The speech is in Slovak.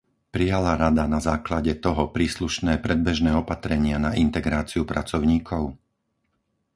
Prijala Rada na základe toho príslušné predbežné opatrenia na integráciu pracovníkov?